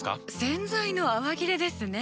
洗剤の泡切れですね。